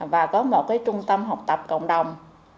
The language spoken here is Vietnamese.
và có một trung tâm học tập cộng đồng